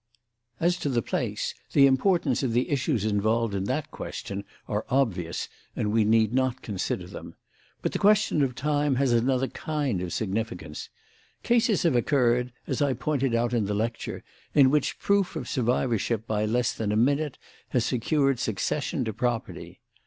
As to the place, the importance of the issues involved in that question are obvious and we need not consider them. But the question of time has another kind of significance. Cases have occurred, as I pointed out in the lecture, in which proof of survivorship by less than a minute has secured succession to property.